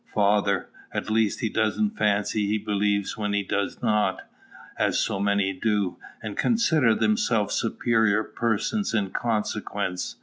Father. At least, he doesn't fancy he believes when he does not, as so many do, and consider themselves superior persons in consequence.